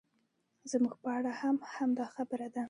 زموږ په اړه هم همدا خبره ده.